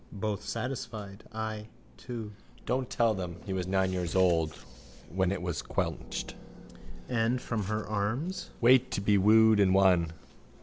Both satisfied. I too. Don't tell them he was nine years old when it was quenched. And from her arms. Wait to be wooed and won.